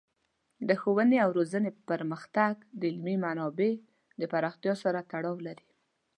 د ښوونې او روزنې پرمختګ د علمي منابعو د پراختیا سره تړاو لري.